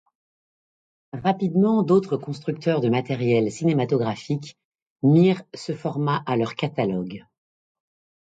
Rapidement d’autres constructeurs de matériel cinématographique mirent ce format à leur catalogue.